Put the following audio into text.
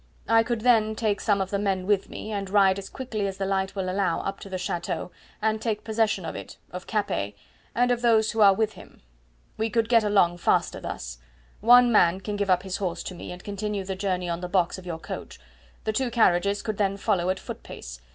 I could then take some of the men with me, and ride as quickly as the light will allow up to the chateau, and take possession of it, of Capet, and of those who are with him. We could get along faster thus. One man can give up his horse to me and continue the journey on the box of your coach. The two carriages could then follow at foot pace.